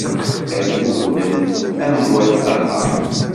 Ad ggugmen am wayt laxert.